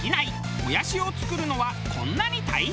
もやしを作るのはこんなに大変！